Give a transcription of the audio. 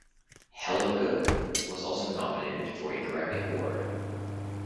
"Hella Good" was also nominated for a Grammy award.